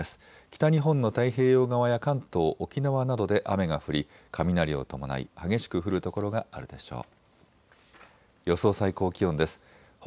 北日本の太平洋側や関東、沖縄などで雨が降り雷を伴い激しく降る所があるでしょう。